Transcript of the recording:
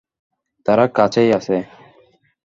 তারা কাছেই আছে।